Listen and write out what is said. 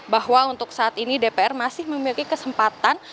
bahwa untuk saat ini dpr masih memiliki kesempatan